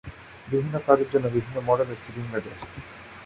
বিভিন্ন কাজের জন্য বিভিন্ন মডেলের স্লিপিং ব্যাগ আছে।